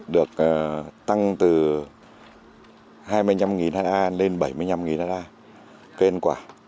sơn la đã đánh giá bảy mươi năm ha lên bảy mươi năm ha kênh quả